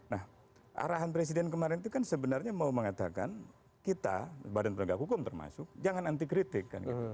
nah arahan presiden kemarin itu kan sebenarnya mau mengatakan kita badan penegak hukum termasuk jangan anti kritik kan gitu